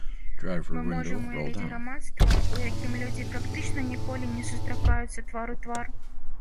Мы можам уявіць грамадства, у якім людзі практычна ніколі не сустракаюцца твар у твар.